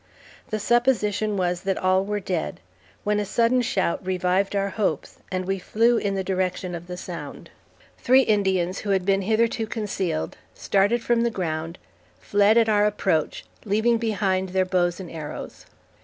The supposition was, that all were dead, when a sudden shout revived our hopes, and we flew in the direction of the sound. Three Indians who had been hitherto concealed, started from the ground, fled at our approach, leaving behind their bows and arrows.